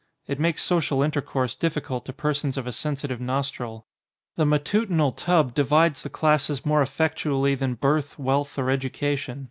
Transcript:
It makes social intercourse difficult to persons of a sensitive nostril. The ma tutinal tub divides the classes more effectually than birth, wealth, or education.